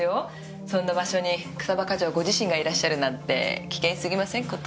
そんな場所に草葉課長ご自身がいらっしゃるなんて危険すぎませんこと？